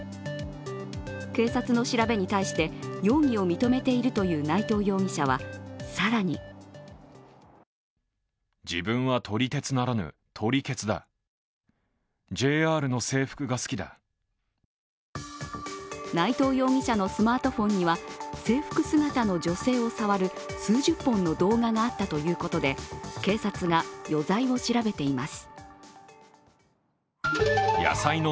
警察の調べに対して、容疑を認めているという内藤容疑者は更に内藤容疑者のスマートフォンには制服姿の女性を触る数十本の動画があったということで警察が余罪を調べています。